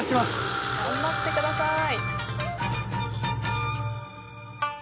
頑張ってください。